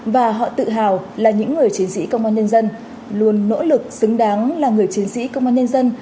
và họ tự hào là những người chiến sĩ công an nhân dân luôn nỗ lực xứng đáng là người chiến sĩ công an nhân dân